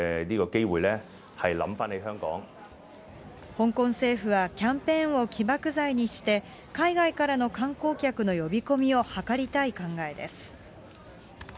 香港政府は、キャンペーンを起爆剤にして、海外からの観光客の呼び込みを図りたい考えです。